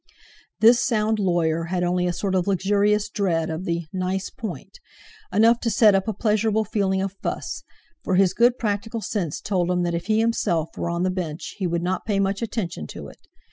This sound lawyer had only a sort of luxurious dread of the "nice point," enough to set up a pleasurable feeling of fuss; for his good practical sense told him that if he himself were on the Bench he would not pay much attention to it.